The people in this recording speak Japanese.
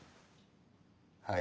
はい。